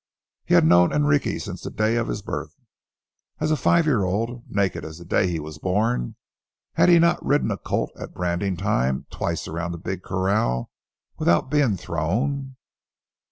He had known Enrique since the day of his birth. As a five year old, and naked as the day he was born, had he not ridden a colt at branding time, twice around the big corral without being thrown?